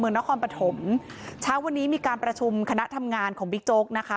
นครปฐมเช้าวันนี้มีการประชุมคณะทำงานของบิ๊กโจ๊กนะคะ